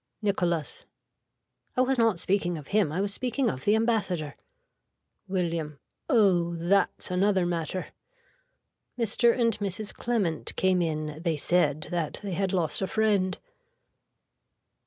(Nicholas.) I was not speaking of him. I was speaking of the ambassador. (William.) Oh that's another matter. Mr. and Mrs. Clement came in they said that they had lost a friend.